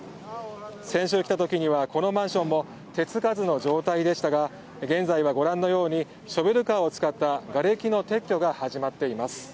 先週来た時にはこのマンションも手付かずの状態でしたが現在はご覧のようにショベルカーを使ったがれきの撤去が始まっています。